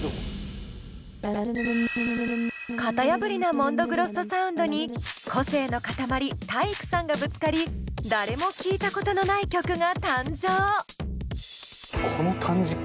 型破りなＭＯＮＤＯＧＲＯＳＳＯサウンドに個性の塊体育さんがぶつかり誰も聴いたことのない曲が誕生！